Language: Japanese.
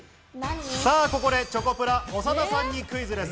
ここでチョコプラ・長田さんにクイズです。